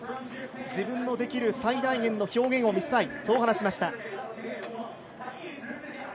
自分のできる最大限の表現を見せたいと話しました。